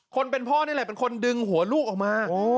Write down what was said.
คนเป็นพ่อนี่แหละเป็นคนดึงหัวลูกออกมา